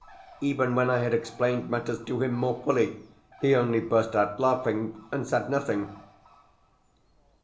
Even when I had explained matters to him more fully, he only burst out laughing, and said nothing.